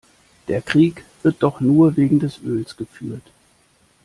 Der Krieg wird doch nur wegen des Öls geführt.